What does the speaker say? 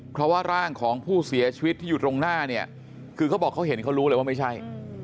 เพราะว่าร่างของผู้เสียชีวิตที่อยู่ตรงหน้าเนี่ยคือเขาบอกเขาเห็นเขารู้เลยว่าไม่ใช่